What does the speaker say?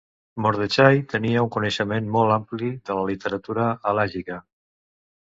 Mordechai tenia un coneixement molt ampli de la literatura halàjica.